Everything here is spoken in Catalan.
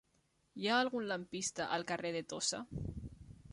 Hi ha algun lampista al carrer de Tossa?